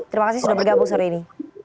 terima kasih sudah bergabung sore ini